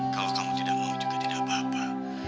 kalau kamu tidak mau juga tidak apa apa